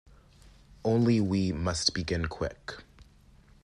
Only we must begin quick.